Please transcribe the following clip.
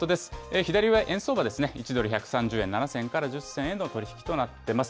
左上、円相場ですね、１ドル１３０円７銭から１０銭での取り引きとなっています。